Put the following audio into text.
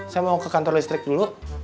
saya mau ke kantor listrik dulu